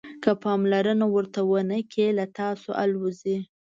که پاملرنه ورته ونه کړئ له تاسو الوزي.